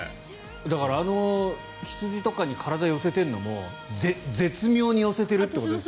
だから、羊とかに体を寄せるのも絶妙に寄せてるということですね。